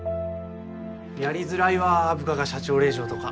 ・やりづらいわ部下が社長令嬢とか。